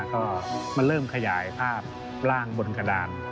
ก็มันเริ่มขยายภาพร่างบนกระดาน